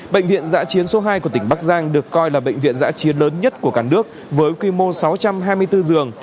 bệnh viện giã chiến số hai của tỉnh bắc giang được coi là bệnh viện giã chiến lớn nhất của cả nước với quy mô sáu trăm hai mươi bốn giường